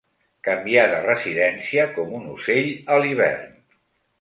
Canviar de residència com un ocell a l'hivern.